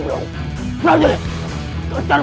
tuh siar putraku